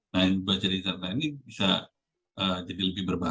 nah yang berubah menjadi zat lain ini bisa jadi lebih berubah